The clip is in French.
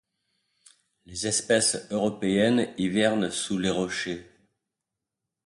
Les espèces européennes hivernent sous les rochers.